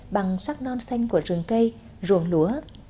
bằng sắc non xanh của rừng cây ruộng lúa